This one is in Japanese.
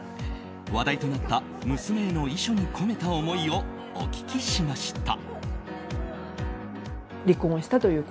話題となった娘への遺書に込めた思いをお聞きしました。